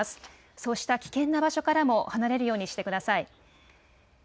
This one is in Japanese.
そうした危険な場所からも離れるようにしてください。